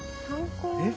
えっ？